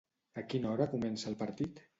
A quina hora comença el partit?